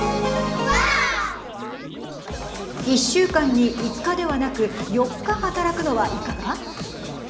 １週間に５日ではなく４日働くのはいかが。